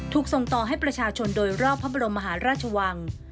ส่งต่อให้ประชาชนโดยรอบพระบรมมหาราชวัง